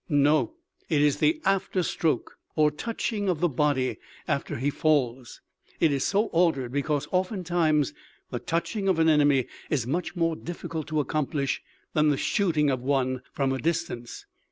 "No, it is the after stroke or touching of the body after he falls. It is so ordered, because oftentimes the touching of an enemy is much more difficult to accomplish than the shooting of one from a distance.